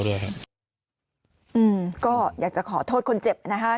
แต่ไม่ได้ว่าเอาหน้าเขาไปทิ้มกับท่อนะครับ